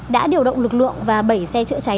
đã điều động lực lượng và bảy xe chữa cháy